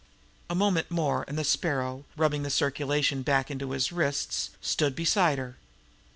A moment more, and the Sparrow, rubbing the circulation back into his wrists, stood beside her.